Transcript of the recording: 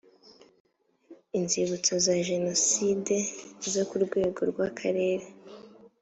inzibutso za jenoside za jenoside zo ku rwego rw akarere